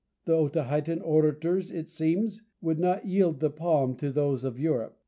The Otaheitan orators, it seems, would not yield the palm to those of Europe.